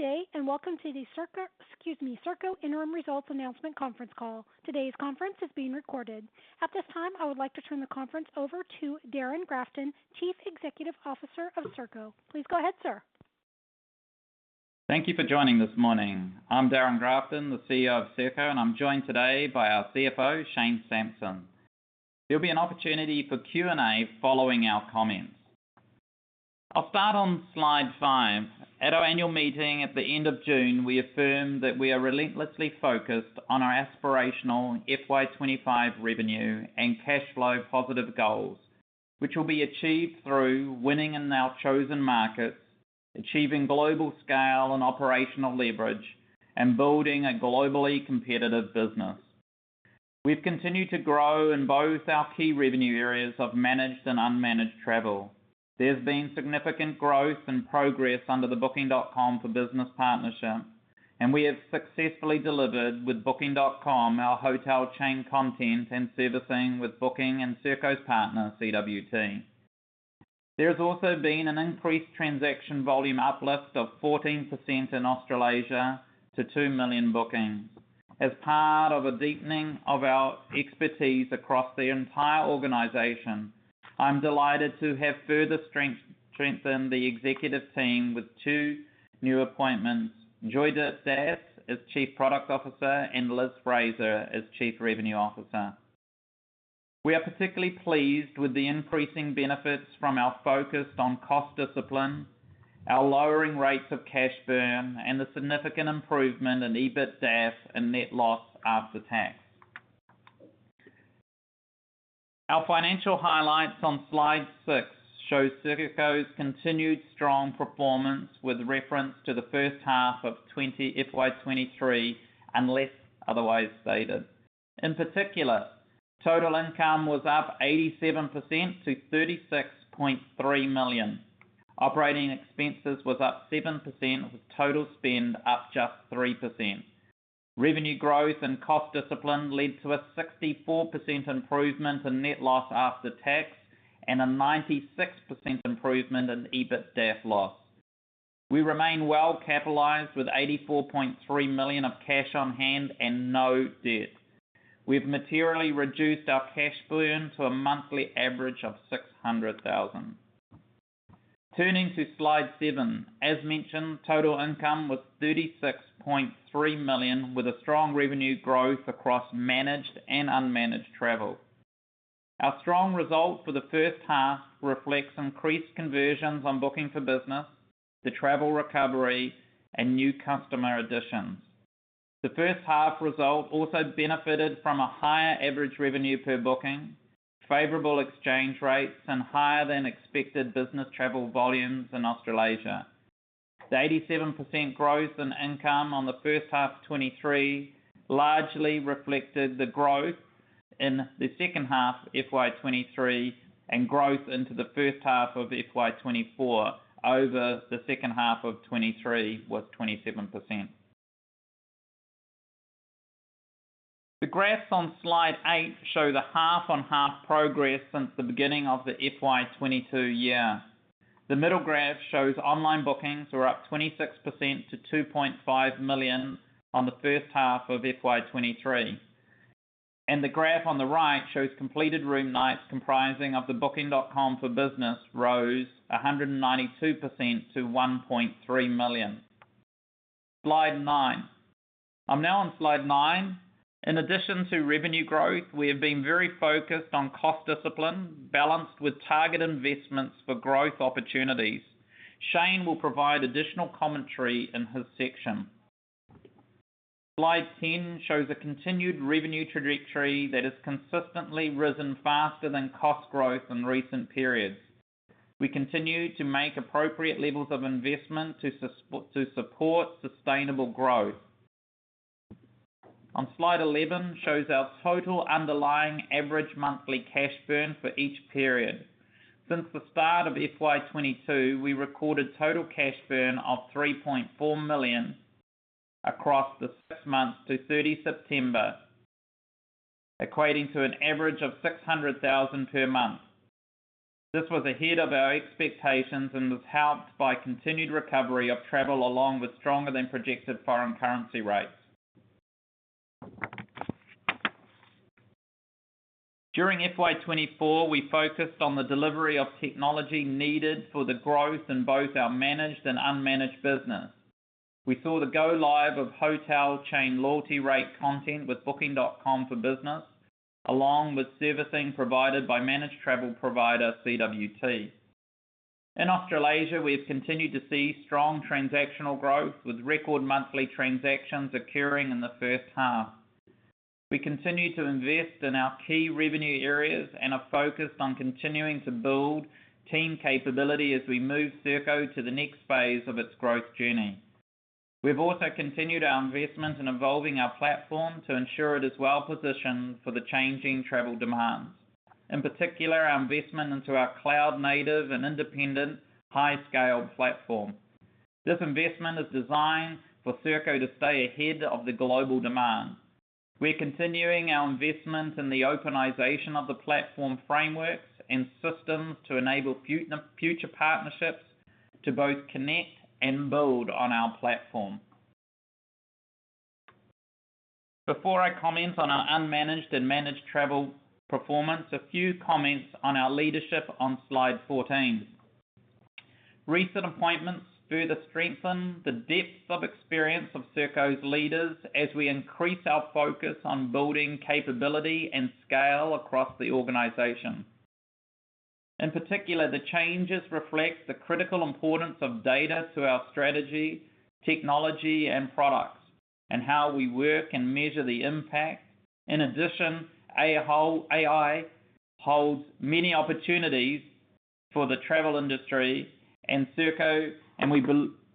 Good day, and welcome to the Serko, excuse me, Serko Interim Results Announcement Conference Call. Today's conference is being recorded. At this time, I would like to turn the conference over to Darrin Grafton, Chief Executive Officer of Serko. Please go ahead, sir. Thank you for joining this morning. I'm Darrin Grafton, the CEO of Serko, and I'm joined today by our CFO, Shane Sampson. There'll be an opportunity for Q&A following our comments. I'll start on slide five. At our annual meeting at the end of June, we affirmed that we are relentlessly focused on our aspirational FY 25 revenue and cash flow positive goals, which will be achieved through winning in our chosen markets, achieving global scale and operational leverage, and building a globally competitive business. We've continued to grow in both our key revenue areas of managed and unmanaged travel. There's been significant growth and progress under the Booking.com for Business partnership, and we have successfully delivered with Booking.com, our hotel chain content and servicing with Booking and Serko's partner, CWT. There's also been an increased transaction volume uplift of 14% in Australasia to 2 million bookings. As part of a deepening of our expertise across the entire organization, I'm delighted to have further strengthened the executive team with two new appointments, Joydip Das as Chief Product Officer and Liz Fraser as Chief Revenue Officer. We are particularly pleased with the increasing benefits from our focus on cost discipline, our lowering rates of cash burn, and the significant improvement in EBITDA and net loss after tax. Our financial highlights on slide six show Serko's continued strong performance with reference to the first half of FY 2023, unless otherwise stated. In particular, total income was up 87% to 36.3 million. Operating expenses was up 7%, with total spend up just 3%. Revenue growth and cost discipline led to a 64% improvement in net loss after tax and a 96% improvement in EBITDA loss. We remain well-capitalized with 84.3 million of cash on hand and no debt. We've materially reduced our cash burn to a monthly average of 600,000. Turning to Slide seven. As mentioned, total income was 36.3 million, with a strong revenue growth across managed and unmanaged travel. Our strong result for the first half reflects increased conversions on Booking for Business, the travel recovery, and new customer additions. The first half result also benefited from a higher average revenue per booking, favorable exchange rates, and higher than expected business travel volumes in Australasia. The 87% growth in income on the first half of 2023 largely reflected the growth in the second half of FY 2023, and growth into the first half of FY 2024 over the second half of 2023 was 27%. The graphs on Slide eight show the half-on-half progress since the beginning of the FY 2022 year. The middle graph shows online bookings were up 26% to 2.5 million on the first half of FY 2023. The graph on the right shows completed room nights, comprising of the Booking.com for Business, rose 192% to 1.3 million. Slide nine. I'm now on slide nine. In addition to revenue growth, we have been very focused on cost discipline, balanced with target investments for growth opportunities. Shane will provide additional commentary in his section. Slide 10 shows a continued revenue trajectory that has consistently risen faster than cost growth in recent periods. We continue to make appropriate levels of investment to support sustainable growth. On Slide 11 shows our total underlying average monthly cash burn for each period. Since the start of FY 2022, we recorded total cash burn of 3.4 million across the six months to September 30, equating to an average of 600,000 per month. This was ahead of our expectations and was helped by continued recovery of travel along with stronger than projected foreign currency rates. During FY 2024, we focused on the delivery of technology needed for the growth in both our managed and unmanaged business. We saw the go live of hotel chain loyalty rate content with Booking.com for Business, along with servicing provided by managed travel provider, CWT. In Australasia, we have continued to see strong transactional growth, with record monthly transactions occurring in the first half. We continue to invest in our key revenue areas and are focused on continuing to build team capability as we move Serko to the next phase of its growth journey. We've also continued our investment in evolving our platform to ensure it is well-positioned for the changing travel demands, in particular, our investment into our cloud-native and independent high-scale platform. This investment is designed for Serko to stay ahead of the global demand. We're continuing our investment in the openization of the platform frameworks and systems to enable future partnerships to both connect and build on our platform. Before I comment on our unmanaged and managed travel performance, a few comments on our leadership on Slide 14. Recent appointments further strengthen the depth of experience of Serko's leaders as we increase our focus on building capability and scale across the organization. In particular, the changes reflect the critical importance of data to our strategy, technology, and products, and how we work and measure the impact. In addition, AI holds many opportunities for the travel industry and Serko, and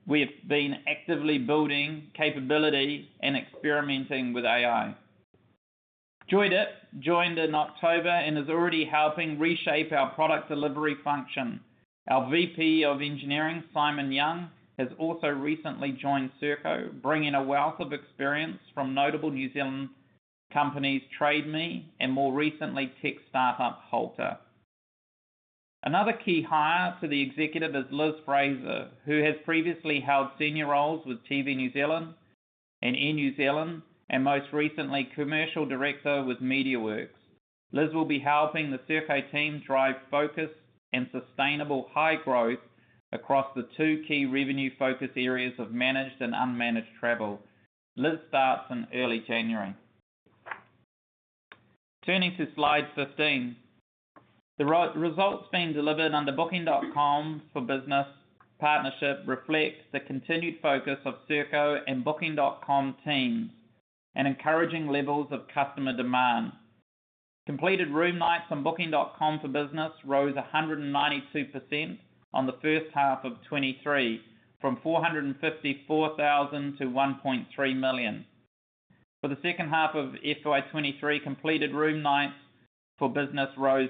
we've been actively building capability and experimenting with AI. Joydip joined in October and is already helping reshape our product delivery function. Our VP of Engineering, Simon Young, has also recently joined Serko, bringing a wealth of experience from notable New Zealand companies, Trade Me and more recently, tech startup Halter. Another key hire for the executive is Liz Fraser, who has previously held senior roles with TV New Zealand and Air New Zealand, and most recently, Commercial Director with MediaWorks. Liz will be helping the Serko team drive focus and sustainable high growth across the two key revenue focus areas of managed and unmanaged travel. Liz starts in early January. Turning to Slide 15. The results being delivered under Booking.com for Business partnership reflects the continued focus of Serko and Booking.com teams and encouraging levels of customer demand. Completed room nights on Booking.com for Business rose 192% on the first half of 2023, from 454,000 to 1.3 million. For the second half of FY 2023, completed room nights for business rose 22%.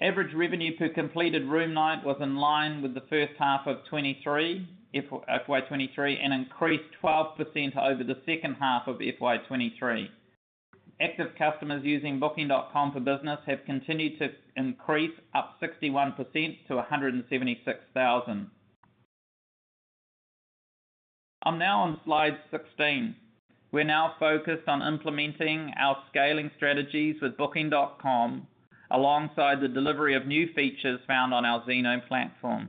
Average revenue per completed room night was in line with the first half of 2023, FY 2023, and increased 12% over the second half of FY 2023. Active customers using Booking.com for Business have continued to increase, up 61% to 176,000. I'm now on slide 16. We're now focused on implementing our scaling strategies with Booking.com, alongside the delivery of new features found on our Zeno platform.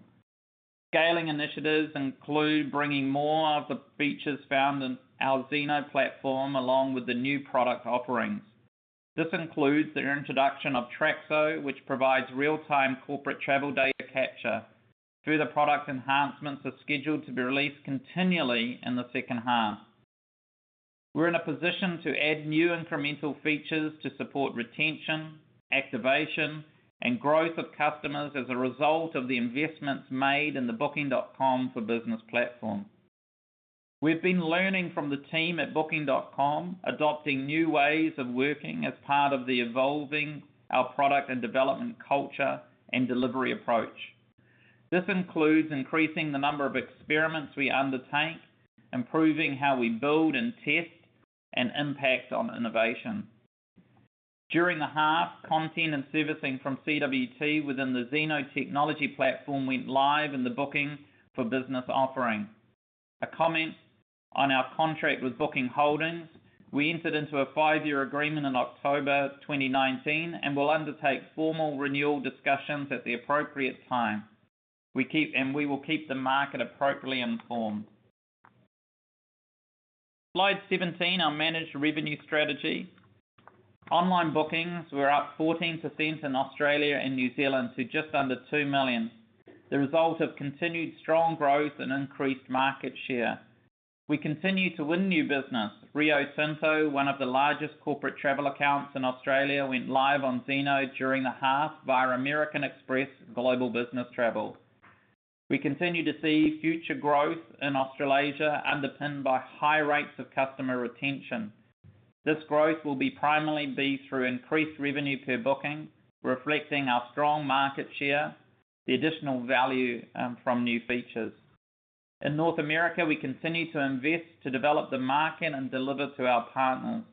Scaling initiatives include bringing more of the features found in our Zeno platform, along with the new product offerings. This includes the introduction of Traxo, which provides real-time corporate travel data capture. Further product enhancements are scheduled to be released continually in the second half. We're in a position to add new incremental feetures to support retention, activation, and growth of customers as a result of the investments made in the Booking.com for Business platform. We've been learning from the team at Booking.com, adopting new ways of working as part of the evolving our product and development culture and delivery approach. This includes increasing the number of experiments we undertake, improving how we build and test, and impact on innovation. During the half, content and servicing from CWT within the Zeno technology platform went live in the Booking.com for Business offering. A comment on our contract with Booking Holdings, we entered into a five-year agreement in October 2019, and we'll undertake formal renewal discussions at the appropriate time. We keep and we will keep the market appropriately informed. Slide 17, our managed revenue strategy. Online bookings were up 14% in Australia and New Zealand to just under 2 million, the result of continued strong growth and increased market share. We continue to win new business. Rio Tinto, one of the largest corporate travel accounts in Australia, went live on Zeno during the half via American Express Global Business Travel. We continue to see future growth in Australasia, underpinned by high rates of customer retention. This growth will be primarily through increased revenue per booking, reflecting our strong market share, the additional value from new features. In North America, we continue to invest to develop the market and deliver to our partners.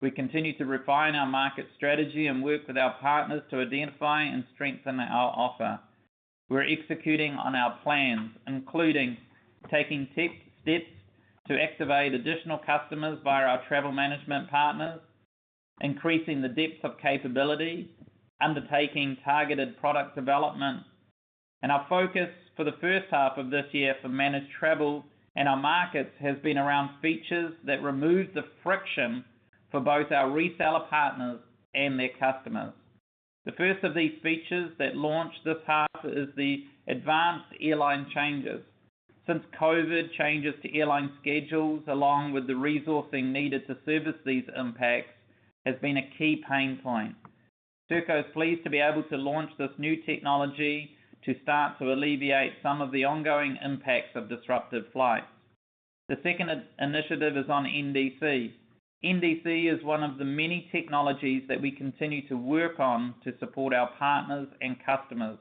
We continue to refine our market strategy and work with our partners to identify and strengthen our offer. We're executing on our plans, including taking tech steps to activate additional customers via our travel management partners, increasing the depth of capability, undertaking targeted product development. Our focus for the first half of this year for managed travel and our markets has been around features that remove the friction for both our reseller partners and their customers. The first of these features that launched this half is the advanced airline changes. Since COVID, changes to airline schedules, along with the resourcing needed to service these impacts, has been a key pain point. Serko is pleased to be able to launch this new technology to start to alleviate some of the ongoing impacts of disruptive flights. The second initiative is on NDC. NDC is one of the many technologies that we continue to work on to support our partners and customers,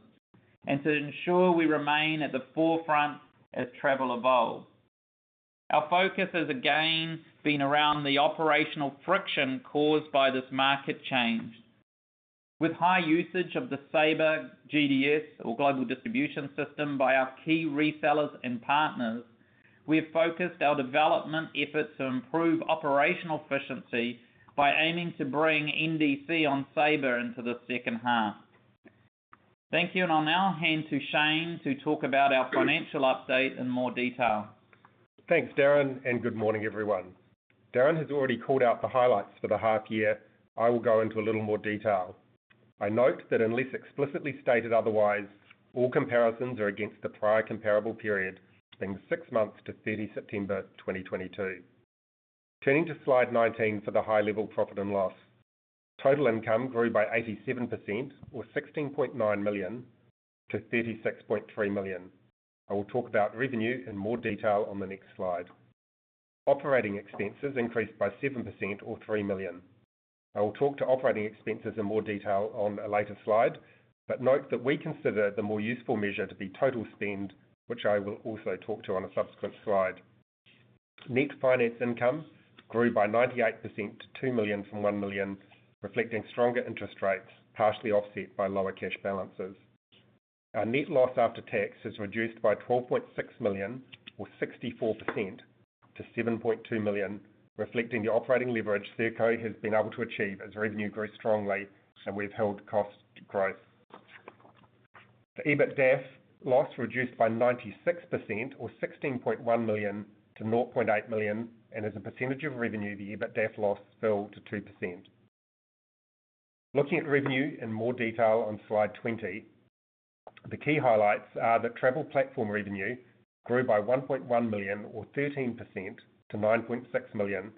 and to ensure we remain at the forefront as travel evolves. Our focus has, again, been around the operational friction caused by this market change. With high usage of the Sabre GDS or Global Distribution System by our key resellers and partners, we have focused our development efforts to improve operational efficiency by aiming to bring NDC on Sabre into the second half. Thank you, and I'll now hand to Shane to talk about our financial update in more detail. Thanks, Darrin, and good morning, everyone. Darrin has already called out the highlights for the half year. I will go into a little more detail. I note that unless explicitly stated otherwise, all comparisons are against the prior comparable period, being the six months to 30 September 2022. Turning to Slide 19 for the high-level profit and loss. Total income grew by 87%, or 16.9 million-36.3 million. I will talk about revenue in more detail on the next slide. Operating expenses increased by 7% or 3 million. I will talk to operating expenses in more detail on a later slide, but note that we consider the more useful measure to be total spend, which I will also talk to on a subsequent slide. Net finance income grew by 98% to 2 million from 1 million, reflecting stronger interest rates, partially offset by lower cash balances. Our net loss after tax is reduced by 12.6 million, or 64% to 7.2 million, reflecting the operating leverage Serko has been able to achieve as revenue grew strongly and we've held cost growth. The EBITDAF loss reduced by 96% or 16.1 million-0.8 million, and as a percentage of revenue, the EBITDAF loss fell to 2%. Looking at revenue in more detail on slide 20, the key highlights are that travel platform revenue grew by 1.1 million or 13% to 9.6 million,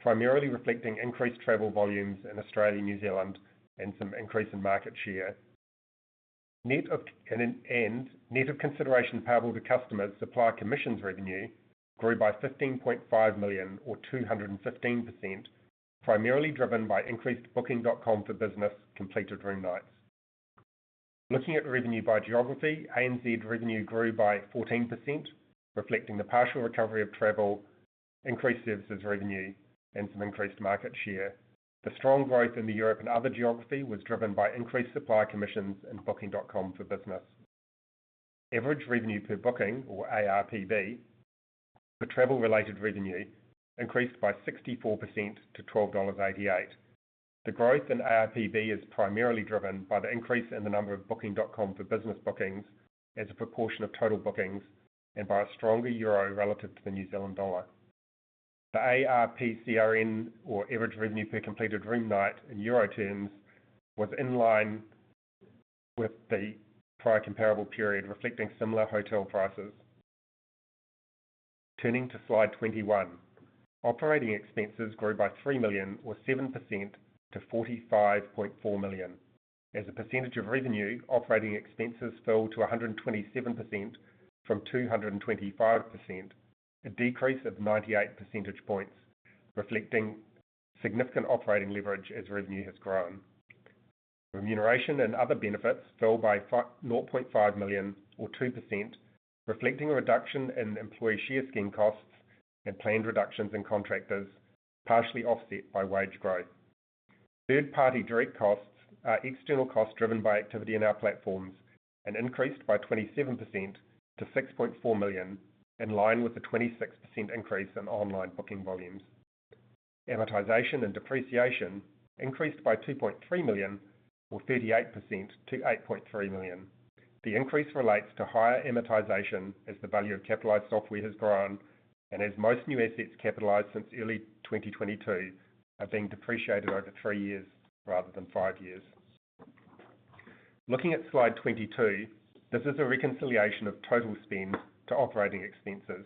primarily reflecting increased travel volumes in Australia and New Zealand and some increase in market share. Net of consideration payable to customers, supplier commissions revenue grew by 15.5 million or 215%, primarily driven by increased Booking.com for Business completed room nights. Looking at revenue by geography, ANZ revenue grew by 14%, reflecting the partial recovery of travel, increased services revenue, and some increased market share. The strong growth in the Europe and other geography was driven by increased supplier commissions and Booking.com for Business. Average revenue per booking or ARPB for travel-related revenue increased by 64% to 12.88 dollars. The growth in ARPB is primarily driven by the increase in the number of Booking.com for Business bookings as a proportion of total bookings, and by a stronger euro relative to the New Zealand dollar. The ARPCRN or average revenue per completed room night in euro terms, was in line with the prior comparable period, reflecting similar hotel prices. Turning to Slide 21. Operating expenses grew by 3 million or 7% to 45.4 million. As a percentage of revenue, operating expenses fell to 127% from 225%, a decrease of 98 percentage points, reflecting significant operating leverage as revenue has grown. Remuneration and other benefits fell by nought point five million or 2%, reflecting a reduction in employee share scheme costs and planned reductions in contractors, partially offset by wage growth. Third-party direct costs are external costs driven by activity in our platforms and increased by 27% to 6.4 million, in line with the 26% increase in online booking volumes. Amortization and depreciation increased by 2.3 million or 38% to 8.3 million. The increase relates to higher amortization as the value of capitalized software has grown and as most new assets capitalized since early 2022 are being depreciated over three years rather than five years. Looking at Slide 22, this is a reconciliation of total spend to operating expenses.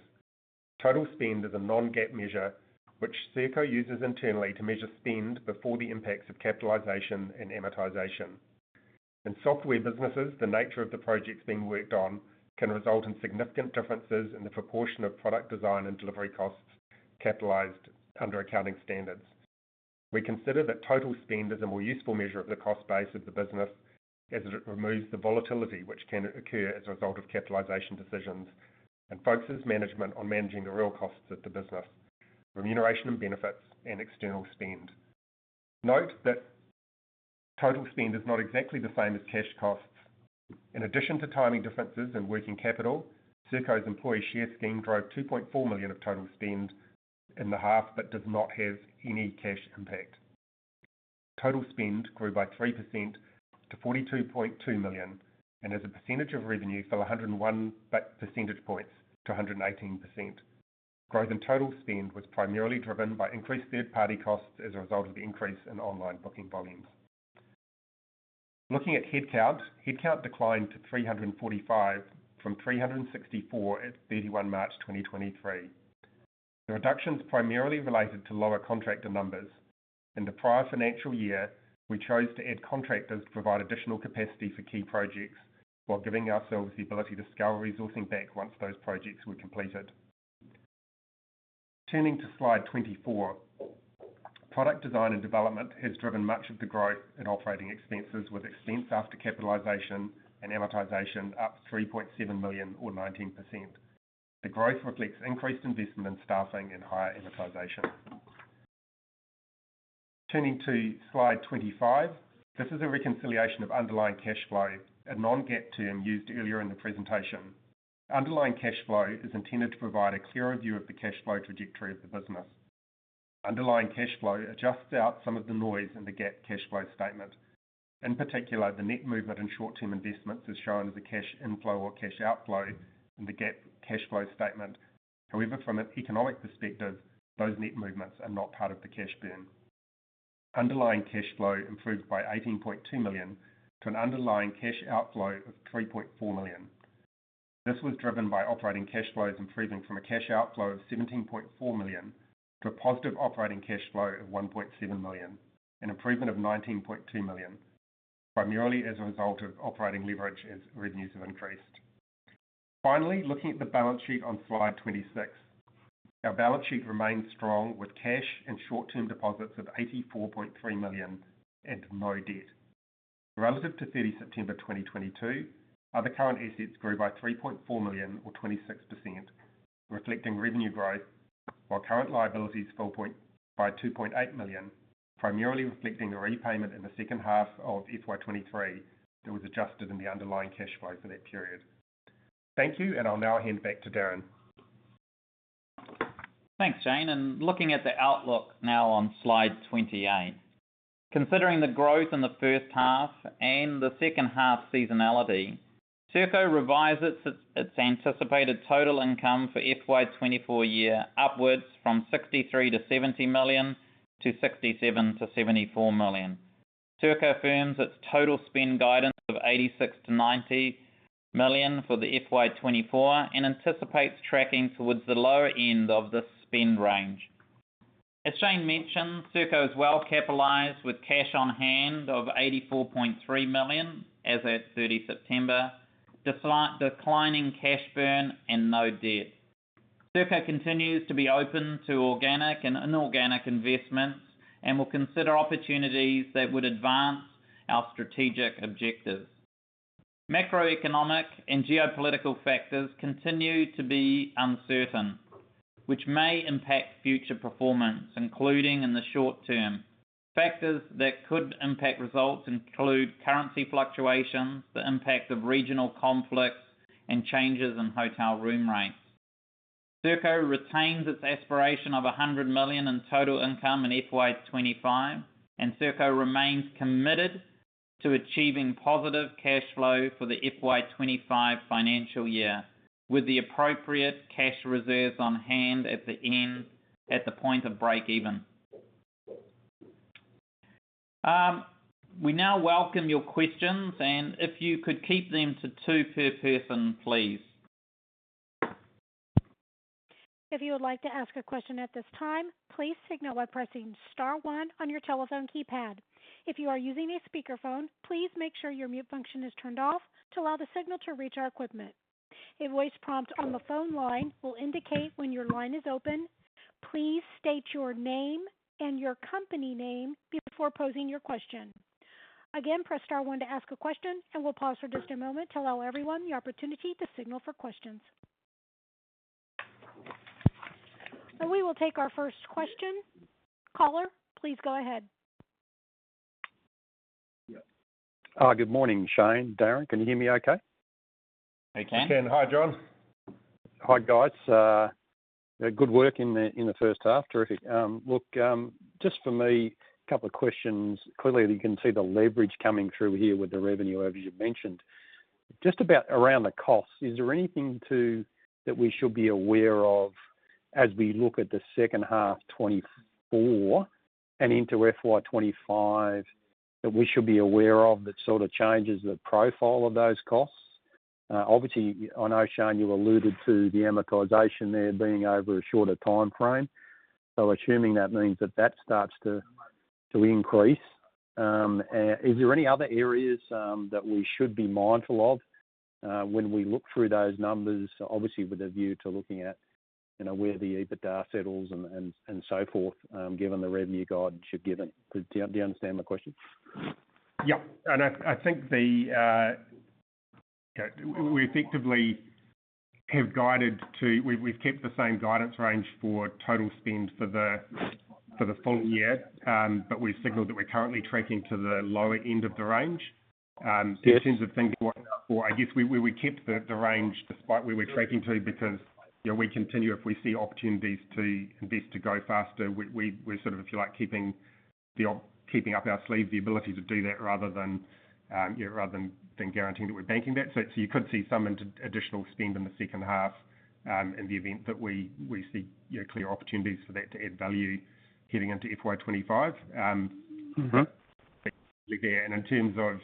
Total spend is a non-GAAP measure which Serko uses internally to measure spend before the impacts of capitalization and amortization. In software businesses, the nature of the projects being worked on can result in significant differences in the proportion of product design and delivery costs capitalized under accounting standards. We consider that total spend is a more useful measure of the cost base of the business, as it removes the volatility which can occur as a result of capitalization decisions, and focuses management on managing the real costs of the business, remuneration and benefits, and external spend. Note that total spend is not exactly the same as cash costs. In addition to timing differences in working capital, Serko's employee share scheme drove 2.4 million of total spend in the half, but does not have any cash impact. Total spend grew by 3% to 42.2 million, and as a percentage of revenue fell 101 percentage points to 118%. Growth in total spend was primarily driven by increased third-party costs as a result of the increase in online booking volumes. Looking at headcount. Headcount declined to 345 from 364 at 31 March 2023. The reduction's primarily related to lower contractor numbers. In the prior financial year, we chose to add contractors to provide additional capacity for key projects, while giving ourselves the ability to scale resourcing back once those projects were completed. Turning to slide 24, product design and development has driven much of the growth in operating expenses, with expense after capitalization and amortization up 3.7 million, or 19%. The growth reflects increased investment in staffing and higher amortization. Turning to slide 25, this is a reconciliation of underlying cash flow, a non-GAAP term used earlier in the presentation. Underlying cash flow is intended to provide a clearer view of the cash flow trajectory of the business. Underlying cash flow adjusts out some of the noise in the GAAP cash flow statement. In particular, the net movement in short-term investments is shown as a cash inflow or cash outflow in the GAAP cash flow statement. However, from an economic perspective, those net movements are not part of the cash burn. Underlying cash flow improved by 18.2 million to an underlying cash outflow of 3.4 million. This was driven by operating cash flows improving from a cash outflow of 17.4 million to a positive operating cash flow of 1.7 million, an improvement of 19.2 million, primarily as a result of operating leverage as revenues have increased. Finally, looking at the balance sheet on slide 26. Our balance sheet remains strong, with cash and short-term deposits of 84.3 million and no debt. Relative to 30 September 2022, other current assets grew by 3.4 million, or 26%, reflecting revenue growth, while current liabilities fell by 2.8 million, primarily reflecting the repayment in the second half of FY 2023 that was adjusted in the underlying cash flow for that period. Thank you, and I'll now hand back to Darrin. Thanks, Shane, and looking at the outlook now on slide 28. Considering the growth in the first half and the second half seasonality, Serko revised its anticipated total income for FY 2024 upwards from 63 million-70 million to 67 million-74 million. Serko affirms its total spend guidance of 86 million-90 million for the FY 2024 and anticipates tracking towards the lower end of the spend range. As Shane mentioned, Serko is well capitalized, with cash on hand of 84.3 million as at 30 September, despite declining cash burn and no debt. Serko continues to be open to organic and inorganic investments and will consider opportunities that would advance our strategic objectives. Macroeconomic and geopolitical factors continue to be uncertain, which may impact future performance, including in the short term. Factors that could impact results include currency fluctuations, the impact of regional conflicts, and changes in hotel room rates. Serko retains its aspiration of 100 million in total income in FY 2025, and Serko remains committed to achieving positive cash flow for the FY 2025 financial year, with the appropriate cash reserves on hand at the end, at the point of break even. We now welcome your questions, and if you could keep them to two per person, please. If you would like to ask a question at this time, please signal by pressing star one on your telephone keypad. If you are using a speakerphone, please make sure your mute function is turned off to allow the signal to reach our equipment. A voice prompt on the phone line will indicate when your line is open. Please state your name and your company name before posing your question. Again, press star one to ask a question, and we'll pause for just a moment to allow everyone the opportunity to signal for questions. We will take our first question. Caller, please go ahead. Good morning, Shane, Darrin. Can you hear me okay? I can. We can. Hi, John. Hi, guys. Yeah, good work in the first half. Terrific. Look, just for me, a couple of questions. Clearly, you can see the leverage coming through here with the revenue over, as you've mentioned. Just about around the costs, is there anything that we should be aware of as we look at the second half 2024 and into FY 2025, that we should be aware of, that sort of changes the profile of those costs? Obviously, I know, Shane, you alluded to the amortization there being over a shorter timeframe. So assuming that means that that starts to increase, is there any other areas that we should be mindful of when we look through those numbers? Obviously, with a view to looking at, you know, where the EBITDA settles and so forth, given the revenue guidance you've given. Do you understand my question? Yeah, I think... We've kept the same guidance range for total spend for the full year, but we've signaled that we're currently tracking to the lower end of the range. Yes. In terms of things to watch out for, I guess we kept the range despite where we're tracking to, because, you know, we continue. If we see opportunities to invest to go faster, we're sort of, if you like, keeping up our sleeve the ability to do that rather than, yeah, rather than guaranteeing that we're banking that. So you could see some additional spend in the second half, in the event that we see, you know, clear opportunities for that to add value heading into FY 2025. Mm-hmm.... there. And in terms of,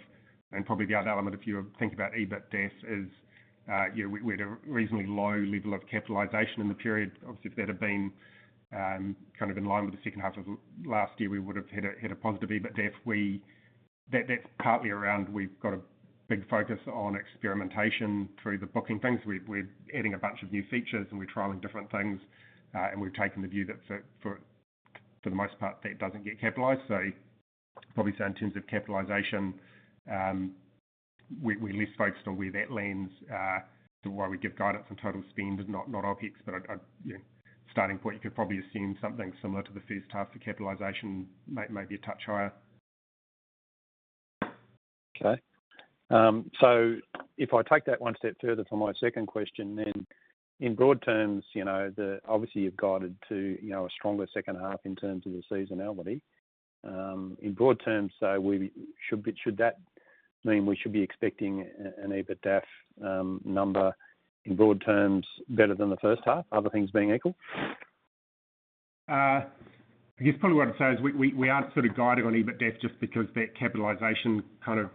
and probably the other element, if you think about EBITDA is, yeah, we had a reasonably low level of capitalization in the period. Obviously, if that had been kind of in line with the second half of last year, we would have had a positive EBITDA. That's partly around we've got a big focus on experimentation through the Booking things. We're adding a bunch of new features, and we're trialing different things, and we've taken the view that for the most part, that doesn't get capitalized. So probably say in terms of capitalization, we are less focused on where that lands, so why we give guidance on total spend and not OpEx. But I, you know, starting point, you could probably assume something similar to the first half. The capitalization might be a touch higher. Okay. So if I take that one step further for my second question, then, in broad terms, you know, the—obviously, you've guided to, you know, a stronger second half in terms of the seasonality. In broad terms, so we—Should we, should that mean we should be expecting an, an EBITDA, number in broad terms better than the first half, other things being equal? I guess probably what I'd say is we aren't sort of guiding on EBITDA just because that capitalization kind of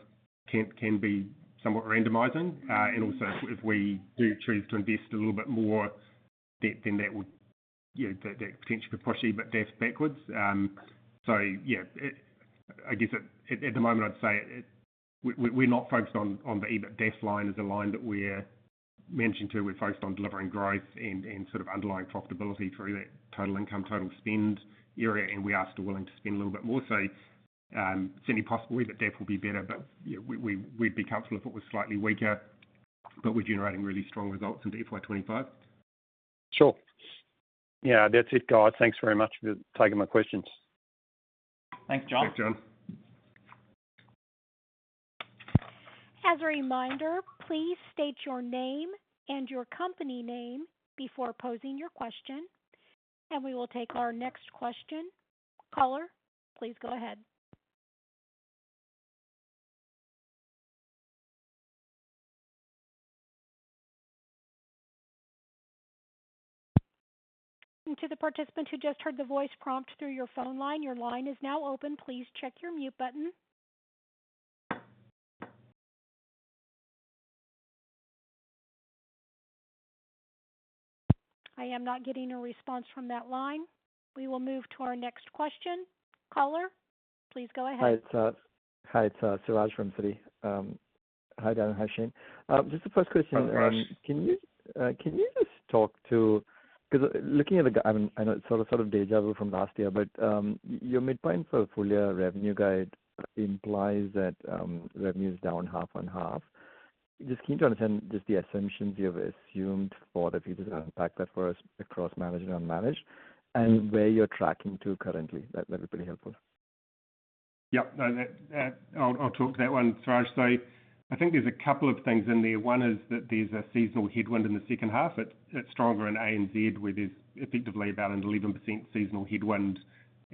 can be somewhat randomizing. And also, if we do choose to invest a little bit more, then that would, you know, that potentially could push EBITDA backwards. So yeah, I guess at the moment, I'd say we're not focused on the EBITDA line as a line that we're mentioning to. We're focused on delivering growth and sort of underlying profitability through that total income, total spend area, and we are still willing to spend a little bit more. So, it's certainly possible EBITDA will be better, but, you know, we'd be comfortable if it was slightly weaker. But we're generating really strong results into FY 25. Sure. Yeah, that's it, guys. Thanks very much for taking my questions. Thanks, John. Thanks, John. As a reminder, please state your name and your company name before posing your question, and we will take our next question. Caller, please go ahead. To the participant who just heard the voice prompt through your phone line, your line is now open. Please check your mute button. I am not getting a response from that line. We will move to our next question. Caller, please go ahead. Hi, it's Suraj from Citi. Hi, Darrin. Hi, Shane. Just the first question- Hi, Suraj. Can you just talk to— Because looking at the guide, I know it's sort of, sort of déjà vu from last year, but your midpoint for full-year revenue guide implies that revenue is down half on half. Just keen to understand just the assumptions you've assumed for the features that impact that for us across managed and unmanaged, and where you're tracking to currently. That'd be pretty helpful. Yeah, no, that... I'll talk to that one, Suraj. So I think there's a couple of things in there. One is that there's a seasonal headwind in the second half. It's stronger in ANZ, where there's effectively about 11% seasonal headwind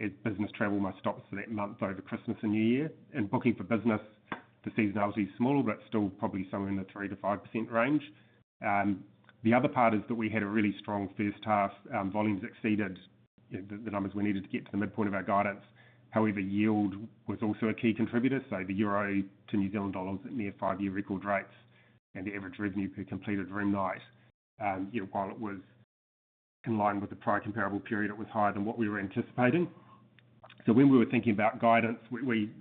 as business travel must stop for that month over Christmas and New Year. And Booking for Business, the seasonality is smaller, but still probably somewhere in the 3%-5% range. The other part is that we had a really strong first half. Volumes exceeded the numbers we needed to get to the midpoint of our guidance. However, yield was also a key contributor, so the euro to New Zealand dollars at near five-year record rates and the average revenue per completed room night. You know, while it was in line with the prior comparable period, it was higher than what we were anticipating. So when we were thinking about guidance, we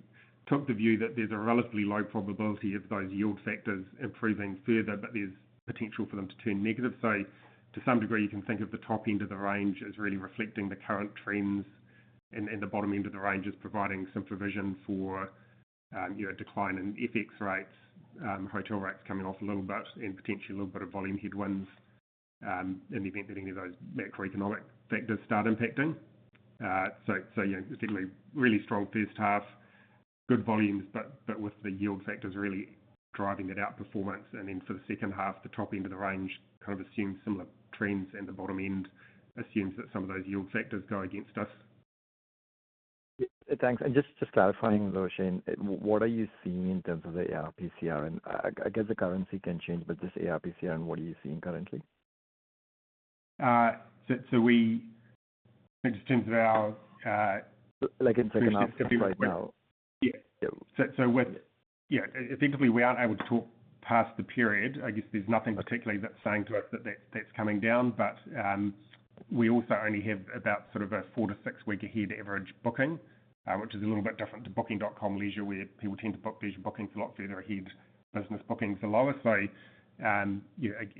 took the view that there's a relatively low probability of those yield factors improving further, but there's potential for them to turn negative. So to some degree, you can think of the top end of the range as really reflecting the current trends, and the bottom end of the range as providing some provision for, you know, a decline in FX rates, hotel rates coming off a little bit and potentially a little bit of volume headwinds, in the event that any of those macroeconomic factors start impacting. So, you know, it's technically a really strong first half, good volumes, but with the yield factors really driving that outperformance. For the second half, the top end of the range kind of assumes similar trends, and the bottom end assumes that some of those yield factors go against us. Yeah. Thanks. And just, just clarifying, though, Shane, what are you seeing in terms of the ARPCR? And I, I guess the currency can change, but just ARPCR and what are you seeing currently? So, we just in terms of our Like in second half, just right now. Yeah. Yeah. So, yeah, effectively, we aren't able to talk past the period. I guess there's nothing particularly that's saying to us that that's coming down. But we also only have about sort of a 4- to 6-week ahead average booking, which is a little bit different to Booking.com Leisure, where people tend to book leisure bookings a lot further ahead. Business bookings are lower, so yeah,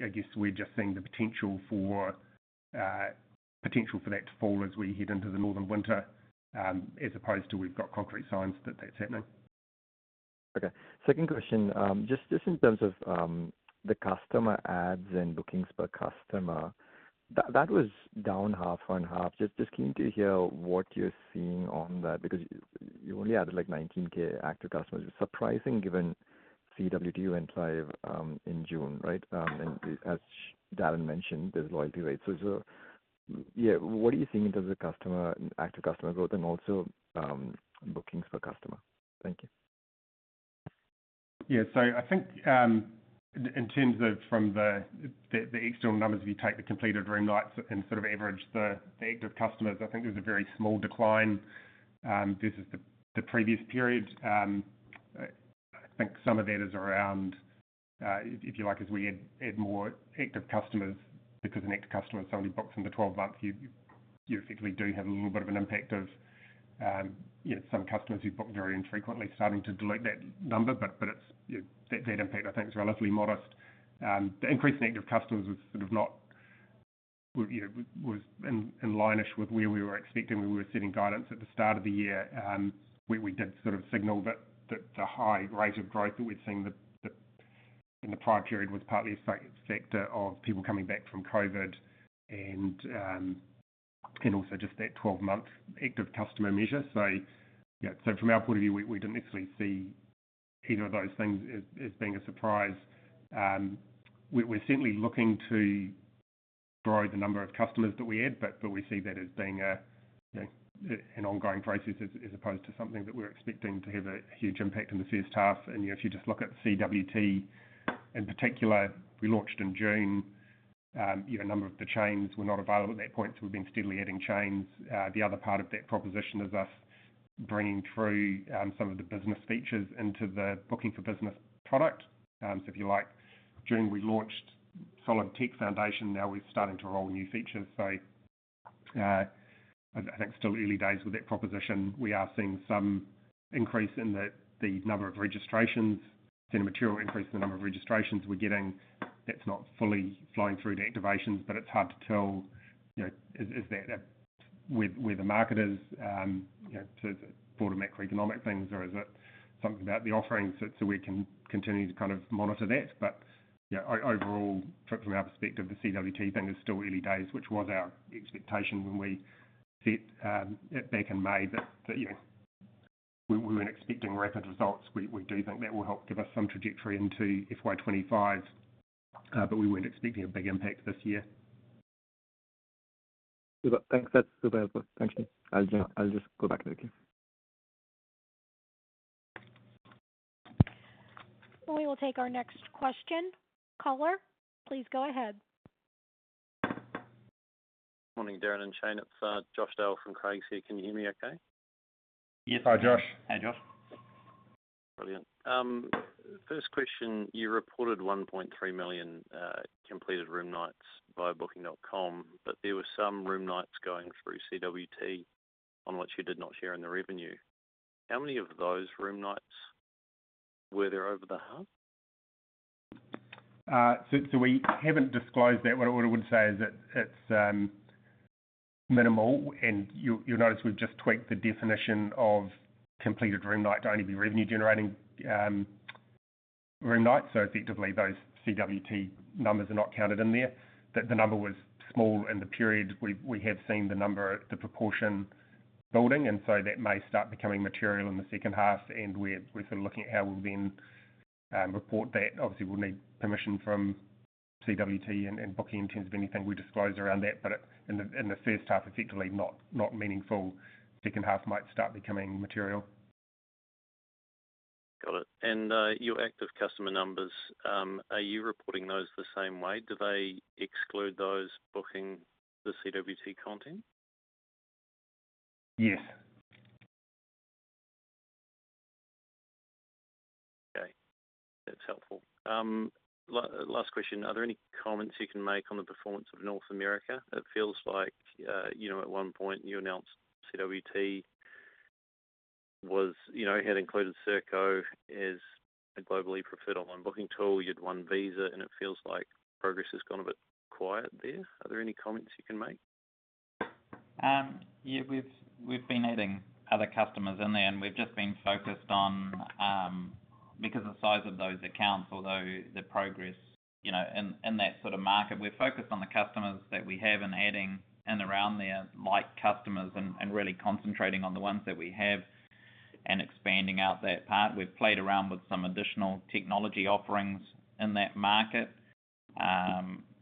I guess we're just seeing the potential for that to fall as we head into the northern winter, as opposed to we've got concrete signs that that's happening. Okay. Second question, just in terms of the customer adds and bookings per customer, that was down half-on-half. Just keen to hear what you're seeing on that, because you only added, like, 19k active customers. Surprising, given CWT went live in June, right? And as Darrin mentioned, there's loyalty rates. So, yeah, what are you seeing in terms of customer active customer growth and also bookings per customer? Thank you. Yeah, so I think, in terms of from the external numbers, if you take the completed room nights and sort of average the active customers, I think there's a very small decline, versus the previous period. I think some of that is around, if you like, as we add more active customers, because an active customer, somebody books in the 12 months, you effectively do have a little bit of an impact of, you know, some customers who book very infrequently starting to delete that number. But it's, you know, that impact, I think, is relatively modest. The increase in active customers is sort of not, you know, was in line-ish with where we were expecting. We were setting guidance at the start of the year, where we did sort of signal that the high rate of growth that we're seeing in the prior period was partly a factor of people coming back from COVID and also just that twelve-month active customer measure. So yeah, so from our point of view, we didn't necessarily see either of those things as being a surprise. We're certainly looking to grow the number of customers that we add, but we see that as being a, you know, an ongoing process as opposed to something that we're expecting to have a huge impact in the first half. And, you know, if you just look at CWT in particular, we launched in June. You know, a number of the chains were not available at that point, so we've been steadily adding chains. The other part of that proposition is us bringing through some of the business features into the Booking.com for Business product. So if you like, during we launched solid tech foundation, now we're starting to roll new features. So, I think still early days with that proposition. We are seeing some increase in the number of registrations. Seen a material increase in the number of registrations we're getting. That's not fully flowing through to activations, but it's hard to tell, you know, is that where the market is, you know, to broader macroeconomic things, or is it something about the offerings? So we can continue to kind of monitor that. But, you know, overall, from our perspective, the CWT thing is still early days, which was our expectation when we set it back in May. But yeah, we weren't expecting rapid results. We do think that will help give us some trajectory into FY 25, but we weren't expecting a big impact this year. Super. Thanks. That's super helpful. Thank you. I'll just, I'll just go back to that again. We will take our next question. Caller, please go ahead. Morning, Darrin and Shane. It's Josh Dale from Craigs here. Can you hear me okay? Yes. Hi, Josh. Hi, Josh. Brilliant. First question, you reported 1.3 million completed room nights by Booking.com, but there were some room nights going through CWT on which you did not share in the revenue. How many of those room nights were there over the half? So, so we haven't disclosed that. What I would say is that it's minimal, and you'll, you'll notice we've just tweaked the definition of completed room night to only be revenue generating room night. So effectively, those CWT numbers are not counted in there. That the number was small in the period. We have seen the number, the proportion building, and so that may start becoming material in the second half, and we're, we're sort of looking at how we'll then report that. Obviously, we'll need permission from CWT and Booking in terms of anything we disclose around that, but in the first half, effectively not meaningful. Second half might start becoming material. Got it. And, your active customer numbers, are you reporting those the same way? Do they exclude those booking the CWT content? Yes. Okay, that's helpful. Last question: Are there any comments you can make on the performance of North America? It feels like, you know, at one point you announced CWT was, you know, had included Serko as a globally preferred online booking tool. You'd won Visa, and it feels like progress has gone a bit quiet there. Are there any comments you can make? Yeah, we've been adding other customers in there, and we've just been focused on, because of the size of those accounts, although the progress, you know, in that sort of market, we're focused on the customers that we have and adding in around there, like customers and really concentrating on the ones that we have and expanding out that part. We've played around with some additional technology offerings in that market,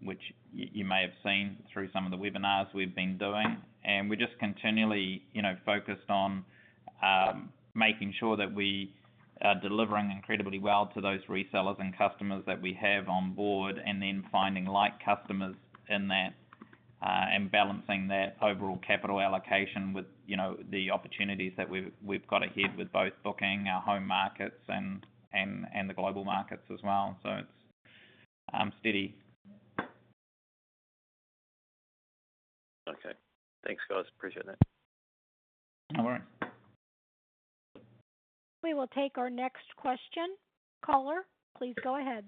which you may have seen through some of the webinars we've been doing. And we're just continually, you know, focused on making sure that we are delivering incredibly well to those resellers and customers that we have on board, and then finding like customers in that, and balancing that overall capital allocation with, you know, the opportunities that we've got ahead with both booking our home markets and the global markets as well. So it's steady. Okay. Thanks, guys. Appreciate that. No worry. We will take our next question. Caller, please go ahead.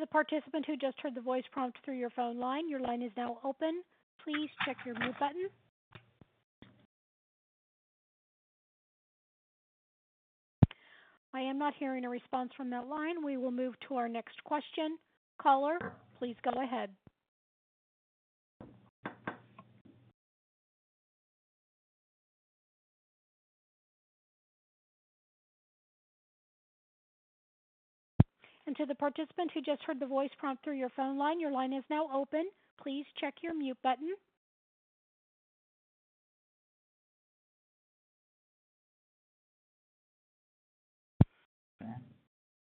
To the participant who just heard the voice prompt through your phone line, your line is now open. Please check your mute button. I am not hearing a response from that line. We will move to our next question. Caller, please go ahead. To the participant who just heard the voice prompt through your phone line, your line is now open. Please check your mute button.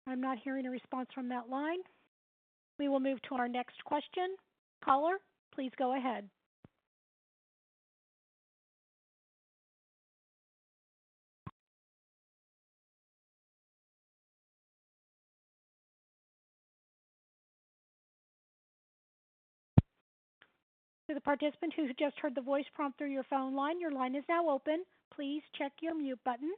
I'm not hearing a response from that line. We will move to our next question. Caller, please go ahead. To the participant who just heard the voice prompt through your phone line, your line is now open. Please check your mute button.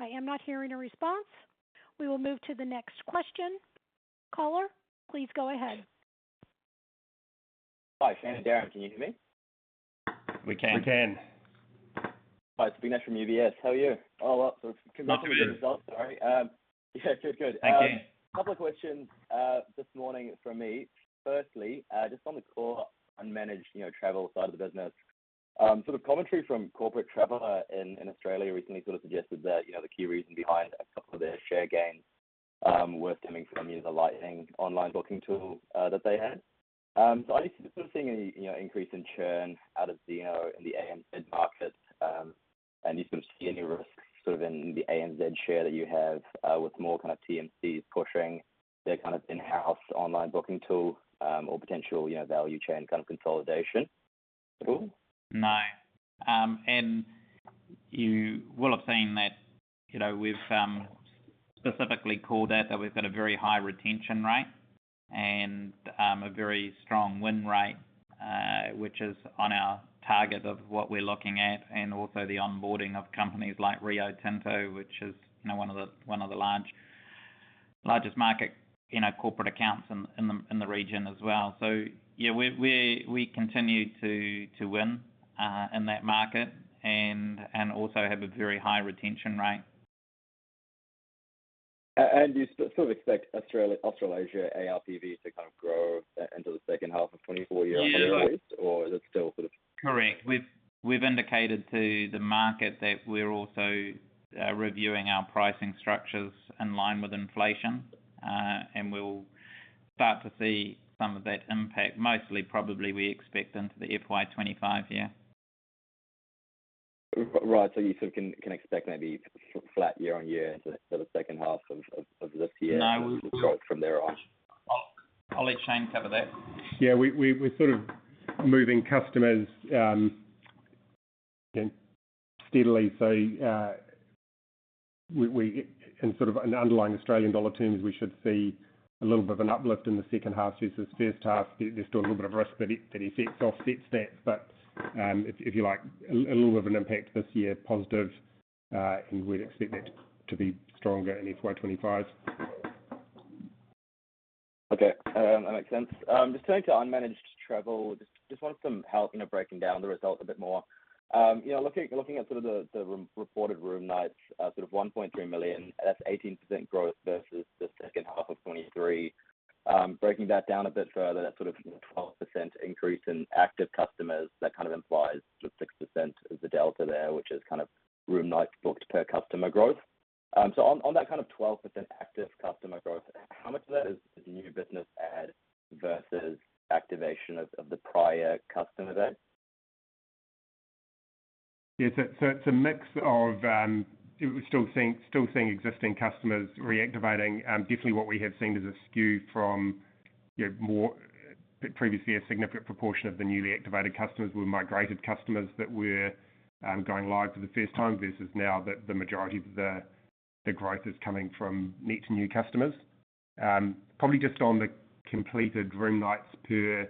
I am not hearing a response. We will move to the next question. Caller, please go ahead. Hi, Shane and Darrin, can you hear me? We can. We can. Hi, it's Vignesh from UBS. How are you? Oh, well, sorry. Yeah, good, good. Thank you. A couple of questions this morning from me. Firstly, just on the core unmanaged, you know, travel side of the business. So the commentary from Corporate Traveller in, in Australia recently sort of suggested that, you know, the key reason behind a couple of their share gains was coming from using the Lightning online booking tool that they had. So are you sort of seeing any, you know, increase in churn out of the, you know, in the ANZ market? And do you see any risk sort of in the ANZ share that you have with more kind of TMCs pushing their kind of in-house online booking tool or potential, you know, value chain kind of consolidation at all? No. And you will have seen that, you know, we've specifically called out that we've got a very high retention rate and a very strong win rate, which is on our target of what we're looking at, and also the onboarding of companies like Rio Tinto, which is, you know, one of the largest market, you know, corporate accounts in the region as well. So yeah, we continue to win in that market and also have a very high retention rate. You sort of expect Australasia ARPV to kind of grow into the second half of 2024 year-on-year. Yeah... or is it still sort of? Correct. We've indicated to the market that we're also reviewing our pricing structures in line with inflation, and we'll start to see some of that impact, mostly probably we expect into the FY 25 year. Right. So you sort of can expect maybe flat year on year into the second half of this year. No, we- From there on. I'll let Shane cover that. Yeah, we're sort of moving customers steadily. So, in sort of an underlying Australian dollar terms, we should see a little bit of an uplift in the second half versus first half. There's still a little bit of risk that offsets that, but, if you like, a little bit of an impact this year, positive, and we'd expect that to be stronger in FY 2025. Okay. That makes sense. Just turning to unmanaged travel, just want some help in breaking down the results a bit more. You know, looking at sort of the reported room nights, sort of 1.3 million, that's 18% growth versus the second half of 2023. Breaking that down a bit further, that's sort of 12% increase in active customers. That kind of implies the 6% is the delta there, which is kind of room nights booked per customer growth. So on that kind of 12% active customer growth, how much of that is new business add versus activation of the prior customer base? Yeah. So it's a mix of, we're still seeing, still seeing existing customers reactivating. Definitely what we have seen is a skew from, you know, more previously, a significant proportion of the newly activated customers were migrated customers that were going live for the first time versus now, the majority of the growth is coming from net new customers. Probably just on the completed room nights per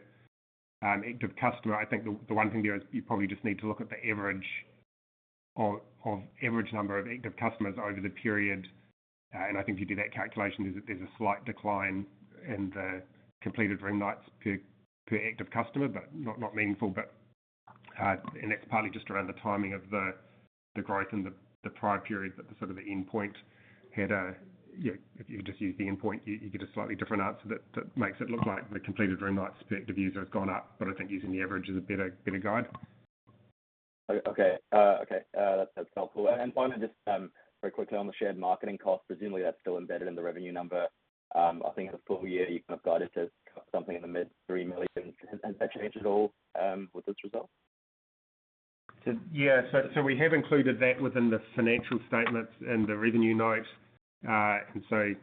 active customer, I think the one thing there is you probably just need to look at the average of average number of active customers over the period. And I think you do that calculation, there's a slight decline in the completed room nights per active customer, but not meaningful. But... That's partly just around the timing of the growth in the prior period, but the sort of endpoint had a-- Yeah, if you just use the endpoint, you get a slightly different answer that makes it look like the completed room nights per active user has gone up, but I think using the average is a better guide. Okay. Okay, that's helpful. And then finally, just very quickly on the shared marketing cost, presumably that's still embedded in the revenue number. I think in the full year, you kind of guided to something in the mid-NZD 3 million. Has that changed at all with this result? So, yeah. We have included that within the financial statements in the revenue note. And so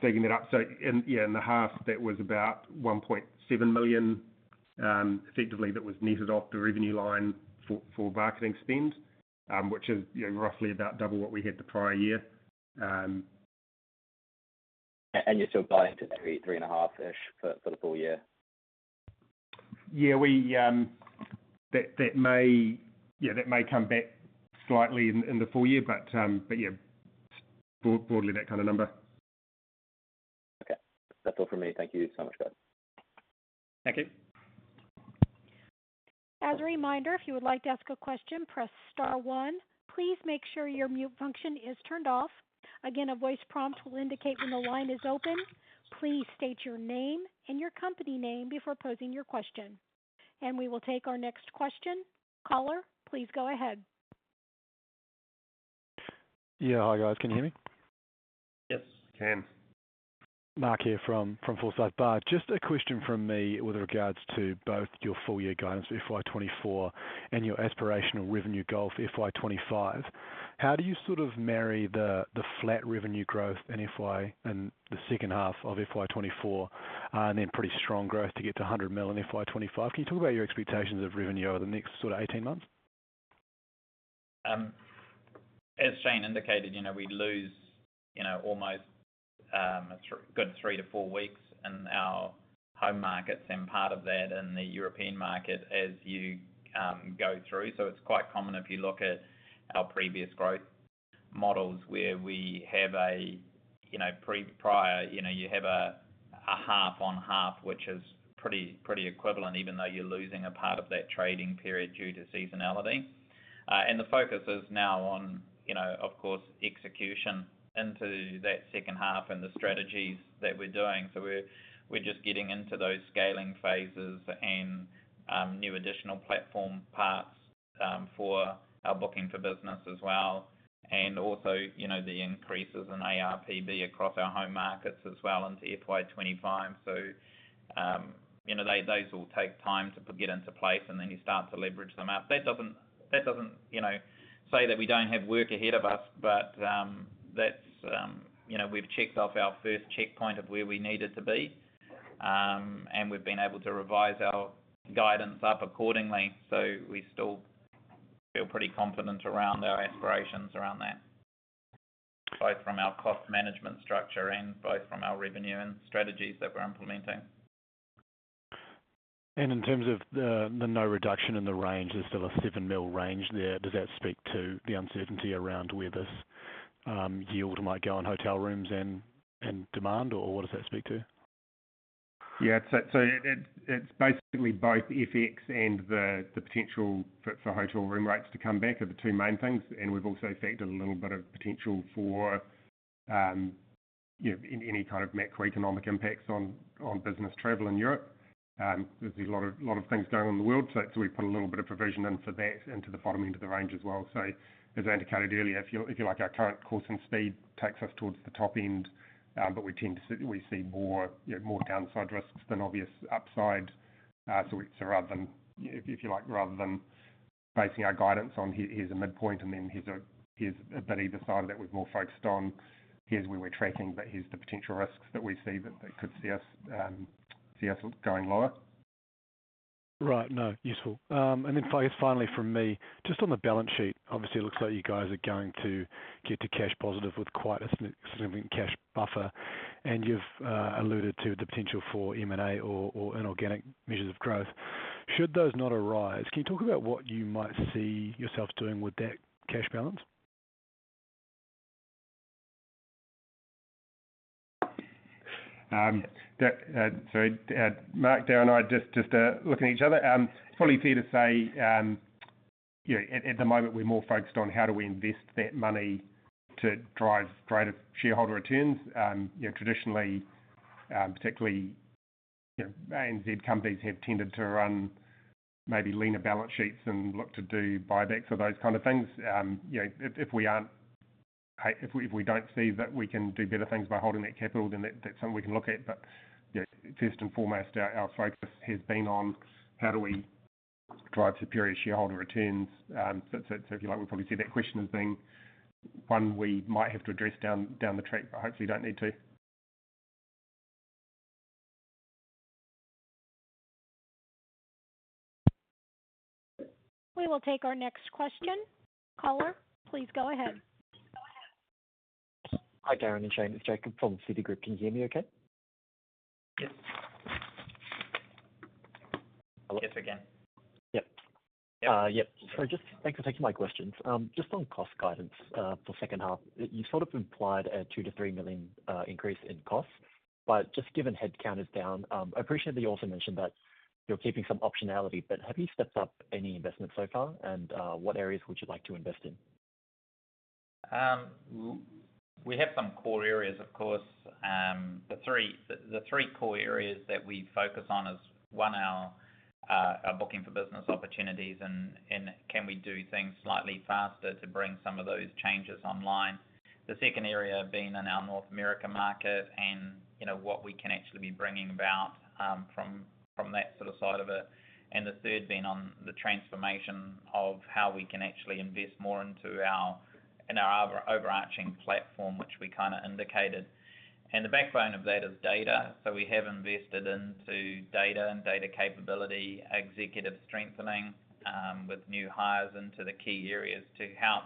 digging that up, in the half, that was about 1.7 million, effectively that was netted off the revenue line for marketing spend, which is, you know, roughly about double what we had the prior year. And you're still guiding to 3-3.5-ish for the full year? Yeah, that may come back slightly in the full year, but yeah, broadly, that kind of number. Okay. That's all for me. Thank you so much, guys. Thank you. ... As a reminder, if you would like to ask a question, press star one. Please make sure your mute function is turned off. Again, a voice prompt will indicate when the line is open. Please state your name and your company name before posing your question. We will take our next question. Caller, please go ahead. Yeah. Hi, guys. Can you hear me? Yes. Can. Mark from Forsyth Barr. Just a question from me with regards to both your full year guidance, FY 2024, and your aspirational revenue goal for FY 2025. How do you sort of marry the flat revenue growth in the second half of FY 2024, and then pretty strong growth to get to 100 million in FY 2025? Can you talk about your expectations of revenue over the next sort of 18 months? As Shane indicated, you know, we lose, you know, almost a good three to four weeks in our home markets and part of that in the European market as you go through. So it's quite common if you look at our previous growth models, where we have a, you know, prior, you know, you have a half on half, which is pretty equivalent, even though you're losing a part of that trading period due to seasonality. And the focus is now on, you know, of course, execution into that second half and the strategies that we're doing. So we're just getting into those scaling phases and new additional platform parts for our booking for business as well, and also, you know, the increases in ARPB across our home markets as well into FY 25. So, you know, they, those will take time to get into place, and then you start to leverage them out. That doesn't, that doesn't, you know, say that we don't have work ahead of us, but, that's, you know, we've checked off our first checkpoint of where we needed to be. And we've been able to revise our guidance up accordingly, so we still feel pretty confident around our aspirations around that, both from our cost management structure and both from our revenue and strategies that we're implementing. In terms of the no reduction in the range, there's still a 7 million range there. Does that speak to the uncertainty around where this yield might go on hotel rooms and demand, or what does that speak to? Yeah, so it, it's basically both FX and the potential for hotel room rates to come back are the two main things. And we've also factored a little bit of potential for, you know, any kind of macroeconomic impacts on business travel in Europe. There's a lot of things going on in the world, so we put a little bit of provision in for that into the bottom end of the range as well. So as I indicated earlier, if you like, our current course and speed takes us towards the top end, but we tend to we see more, you know, more downside risks than obvious upside. So it's rather than, if you like, rather than basing our guidance on here, here's a midpoint and then here's a bit either side of that, we're more focused on here's where we're tracking, but here's the potential risks that we see that could see us going lower. Right. No, useful. And then I guess finally from me, just on the balance sheet, obviously, it looks like you guys are going to get to cash positive with quite a significant cash buffer, and you've alluded to the potential for M&A or inorganic measures of growth. Should those not arise, can you talk about what you might see yourselves doing with that cash balance? Sorry, Mark, Darrin, and I just, just looking at each other. It's probably fair to say, you know, at the moment, we're more focused on how do we invest that money to drive greater shareholder returns. You know, traditionally, particularly, you know, ANZ companies have tended to run maybe leaner balance sheets and look to do buybacks or those kind of things. You know, if we aren't, if we don't see that we can do better things by holding that capital, then that's something we can look at. But, you know, first and foremost, our focus has been on how do we drive superior shareholder returns. So if you like, we probably see that question as being one we might have to address down the track, but hopefully don't need to. We will take our next question. Caller, please go ahead. Hi, Darrin and Shane. It's Jacob from Citigroup. Can you hear me okay? Yes. Yes, I can. Yep. Yep. So just thanks for taking my questions. Just on cost guidance, for second half, you sort of implied a 2 million-3 million increase in costs, but just given headcount is down, I appreciate that you also mentioned that you're keeping some optionality, but have you stepped up any investment so far? And, what areas would you like to invest in? We have some core areas, of course. The three, the three core areas that we focus on is, one, our booking for business opportunities and, and can we do things slightly faster to bring some of those changes online? The second area being in our North America market and, you know, what we can actually be bringing about, from that sort of side of it. And the third being on the transformation of how we can actually invest more into our, in our overarching platform, which we kinda indicated. And the backbone of that is data. So we have invested into data and data capability, executive strengthening, with new hires into the key areas to help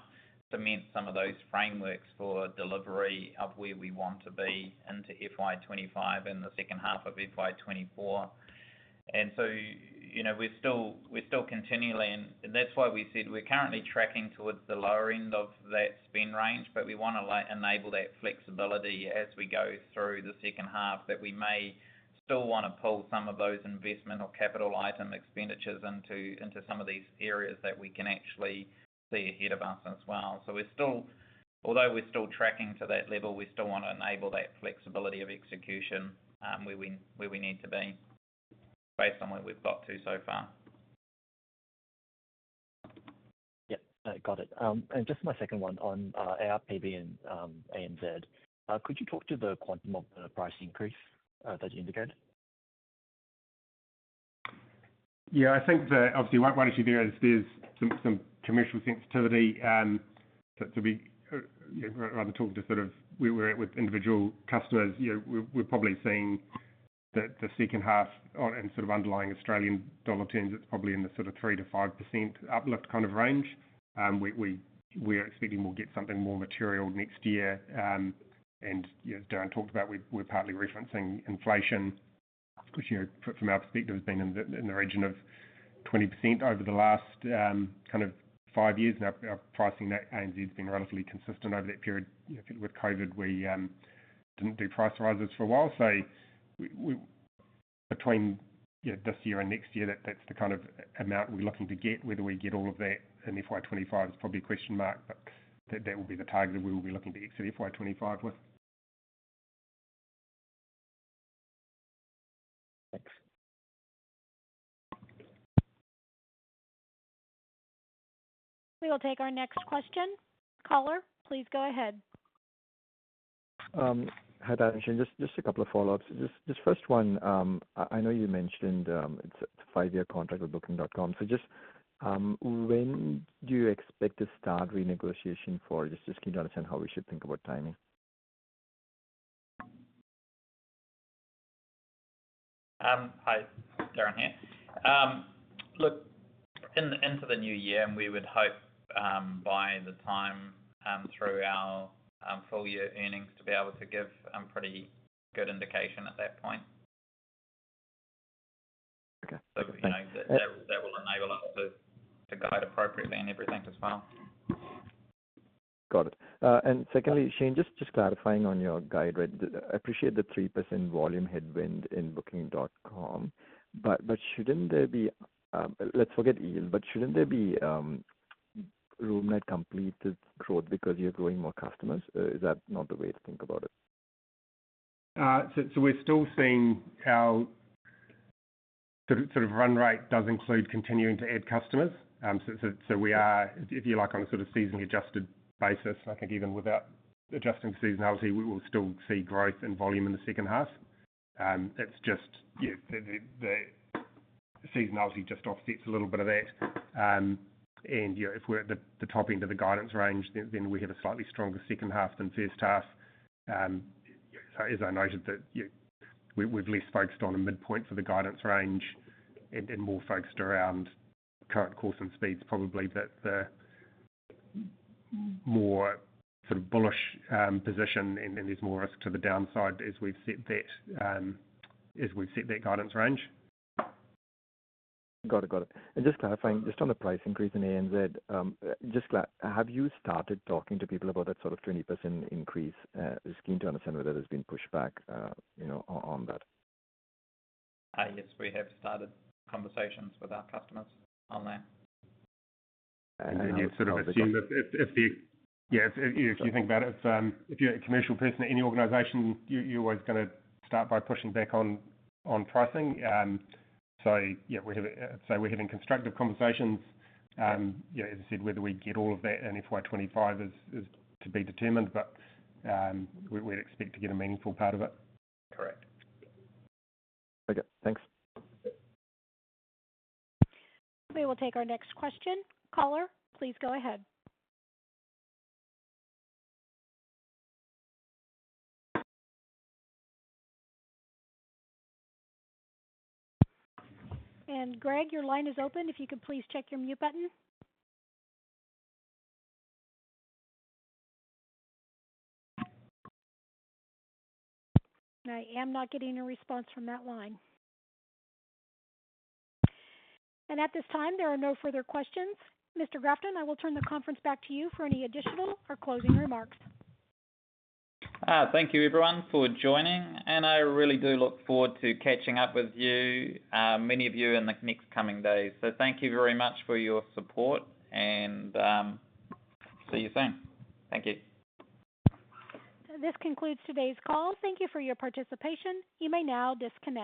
cement some of those frameworks for delivery of where we want to be into FY 2025 and the second half of FY 2024. And so, you know, we're still continually. And that's why we said we're currently tracking towards the lower end of that spend range, but we wanna enable that flexibility as we go through the second half, that we may still want to pull some of those investment or capital item expenditures into some of these areas that we can actually see ahead of us as well. So although we're still tracking to that level, we still want to enable that flexibility of execution, where we need to be based on where we've got to so far. Yep, got it. And just my second one on ARPB and ANZ. Could you talk to the quantum of the price increase that you indicated? Yeah, I think that obviously, one issue there is there's some commercial sensitivity to be rather talk to sort of where we're at with individual customers. You know, we're probably seeing the second half on and sort of underlying Australian dollar terms; it's probably in the sort of 3%-5% uplift kind of range. We are expecting we'll get something more material next year. You know, Darrin talked about we're partly referencing inflation, which, you know, from our perspective, has been in the region of 20% over the last kind of 5 years. Our pricing in ANZ has been relatively consistent over that period. You know, with COVID, we didn't do price rises for a while. So, between, you know, this year and next year, that's the kind of amount we're looking to get. Whether we get all of that in FY 2025 is probably a question mark, but that will be the target that we will be looking to exit FY 2025 with. Thanks. We will take our next question. Caller, please go ahead. Hi, Darrin and Shane. Just a couple of follow-ups. Just first one, I know you mentioned, it's a five-year contract with Booking.com. So just, when do you expect to start renegotiation for... Just keen to understand how we should think about timing. Hi, Darrin here. Look, into the new year, we would hope, by the time through our full year earnings to be able to give a pretty good indication at that point. Okay. You know, that will enable us to guide appropriately and everything as well. Got it. And secondly, Shane, just, just clarifying on your guide, right? I appreciate the 3% volume headwind in Booking.com, but, but shouldn't there be... Let's forget yield, but shouldn't there be room night completed growth because you're growing more customers? Or is that not the way to think about it? So we're still seeing our sort of run rate does include continuing to add customers. So we are, if you like, on a sort of season-adjusted basis. I think even without adjusting for seasonality, we will still see growth and volume in the second half. It's just the seasonality just offsets a little bit of that. And you know, if we're at the top end of the guidance range, then we have a slightly stronger second half than first half. So as I noted that, we're less focused on a midpoint for the guidance range and more focused around current course and speeds, probably that the more sort of bullish position, and then there's more risk to the downside as we've set that guidance range. Got it. Got it. Just clarifying, just on the price increase in ANZ, have you started talking to people about that sort of 20% increase? Just keen to understand whether there's been pushback, you know, on that. Yes, we have started conversations with our customers on that. You'd sort of assume that if you think about it, if you're a commercial person in any organization, you're always gonna start by pushing back on pricing. So yeah, we're having constructive conversations. You know, as I said, whether we get all of that in FY 25 is to be determined, but we'd expect to get a meaningful part of it. Correct. Okay, thanks. We will take our next question. Caller, please go ahead. And Greg, your line is open, if you could please check your mute button. I am not getting a response from that line. And at this time, there are no further questions. Mr. Grafton, I will turn the conference back to you for any additional or closing remarks. Thank you, everyone, for joining, and I really do look forward to catching up with you, many of you in the next coming days. So thank you very much for your support, and, see you soon. Thank you. This concludes today's call. Thank you for your participation. You may now disconnect.